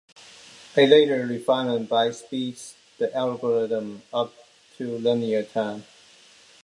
A later refinement by speeds the algorithm up to linear time.